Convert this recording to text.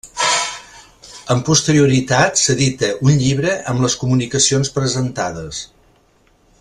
Amb posterioritat s'edita un llibre amb les comunicacions presentades.